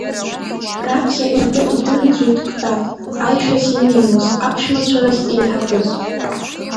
Раԥхьа инапы идырӡәӡәеит Кәтат, аишәахь инеиуаз аԥшәмацәа рахь еиҳабыз.